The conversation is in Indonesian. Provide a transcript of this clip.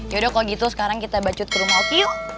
yaudah kalau gitu sekarang kita bacut ke rumah oki